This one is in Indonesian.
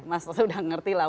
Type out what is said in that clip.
masa itu udah ngerti lah